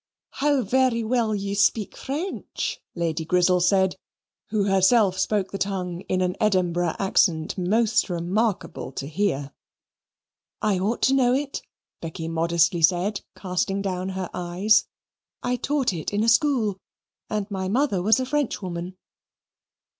"How very well you speak French," Lady Grizzel said, who herself spoke the tongue in an Edinburgh accent most remarkable to hear. "I ought to know it," Becky modestly said, casting down her eyes. "I taught it in a school, and my mother was a Frenchwoman."